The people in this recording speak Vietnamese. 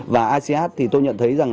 và asean thì tôi nhận thấy rằng